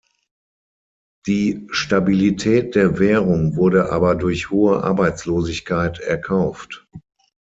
Die Stabilität der Währung wurde aber durch hohe Arbeitslosigkeit erkauft.